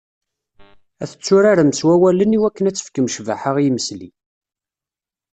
Ad tetturarem s wawalen i wakken ad tefkem ccbaḥa i yimesli.